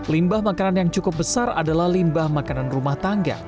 limbah makanan yang cukup besar adalah limbah makanan rumah tangga